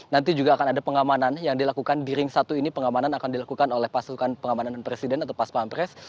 nanti juga akan ada pengamanan yang dilakukan di ring satu ini pengamanan akan dilakukan oleh pasukan pengamanan presiden atau pas pampres